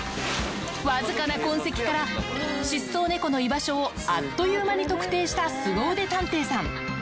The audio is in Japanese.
僅かな痕跡から、失踪猫の居場所をあっという間に特定したすご腕探偵さん。